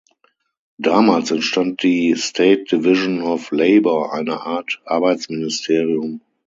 Damals entstand die „State Division of Labor“ eine Art Arbeitsministerium.